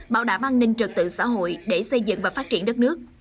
bảo đảm an ninh trực tự xã hội để xây dựng và phát triển đất nước